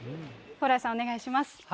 蓬莱さん、お願いします。